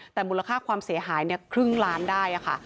แต่มูลค่าความเสียหายครึ่งล้านได้ค่ะ